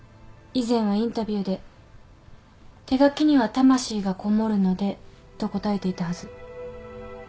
以前はインタビューで「手書きには魂がこもるので」と答えていたはず。